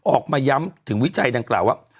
ออกมาย้ำถึงวิจัยดังกล่าวว่า